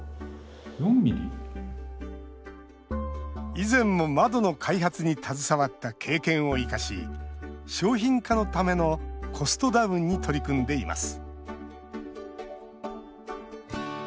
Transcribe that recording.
以前も窓の開発に携わった経験を生かし商品化のためのコストダウンに取り組んでいます。